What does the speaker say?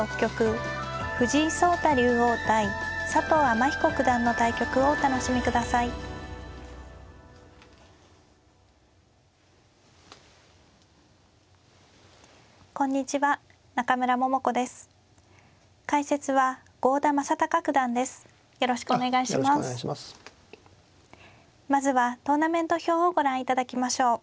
まずはトーナメント表をご覧いただきましょう。